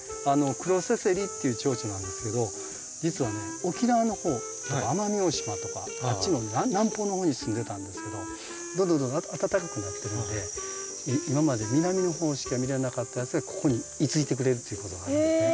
クロセセリっていうチョウチョなんですけど実はね沖縄の方奄美大島とかあっちの南方の方に住んでたんですけどどんどんどんどん暖かくなってるので今まで南の方しか見れなかったやつがここに居ついてくれるっていうことがあるんですね。